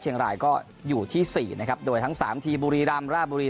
เชียงรายก็อยู่ที่สี่นะครับโดยทั้งสามทีบุรีรำราบุรี